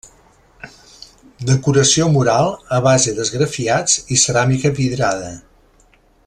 Decoració mural a base d'esgrafiats i ceràmica vidrada.